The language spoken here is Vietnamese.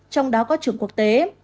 trong đó có trường quốc tế